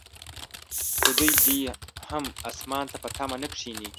خو دوی دې هم اسمان ته په تمه نه کښیني.